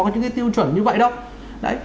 những cái tiêu chuẩn như vậy đâu